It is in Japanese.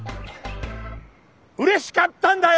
うれしかったんだよ！